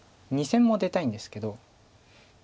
２線も出たいんですけど。